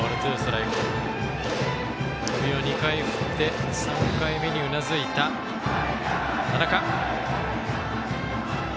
首を２回、振って３回目にうなずいた、田中。